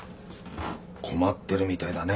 困ってるみたいだね。